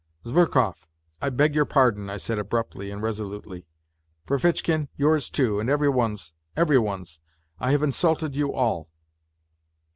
" Zverkov, I beg your pardon," I said abruptly and resolutely. " Ferfitchkin, yours too, and every one's, every one's : I have insulted you all